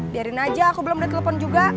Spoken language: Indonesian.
biarin aja aku belum ditelepon juga